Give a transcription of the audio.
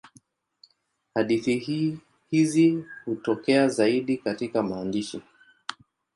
Hadithi hizi hutokea zaidi katika maandishi.